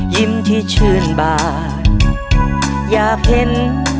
ยิ้มที่ชื่นบาทอยากเห็น